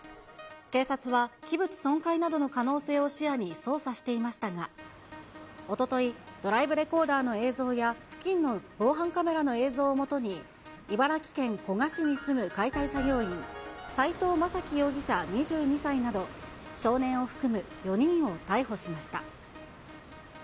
警察は器物損壊などの可能性を視野に捜査していましたが、おととい、ドライブレコーダーの映像や、付近の防犯カメラの映像を基に茨城県古河市に住む解体作業員、斉藤雅樹容疑者２２歳など、少年を含む４人を逮捕しました。